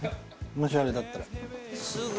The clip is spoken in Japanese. もしあれだったら。